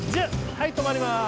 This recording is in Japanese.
はいとまります。